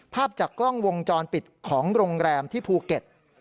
ภาพจากกล้องวงจรปิดของโรงแรมที่ภูเก็ต